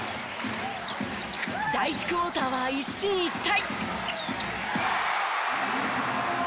第１クオーターは一進一退。